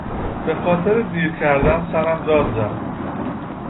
به خاطر دیر کردن سرم داد زد.